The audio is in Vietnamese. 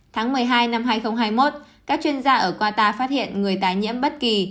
tháng một mươi hai năm hai nghìn hai mươi một các chuyên gia ở qatar phát hiện người tái nhiễm bất kỳ